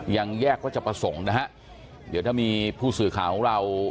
ยังแยกวัชประสงค์นะฮะเดี๋ยวถ้ามีผู้สื่อข่าวของเรา